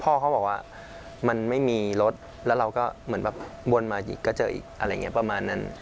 พ่อเขาบอกว่ามันไม่มีรถแล้วเราก็เหมือนแบบวนมาอีกก็เจออีกอะไรอย่างนี้ประมาณนั้น